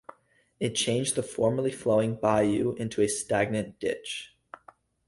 It changed the formerly flowing bayou into a stagnant ditch.